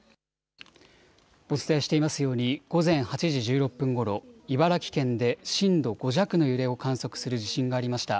お伝えしていますように午前８時１６分ごろ、茨城県で震度５弱の揺れを観測する地震がありました。